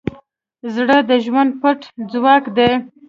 زړه د ژوند پټ ځواک دی.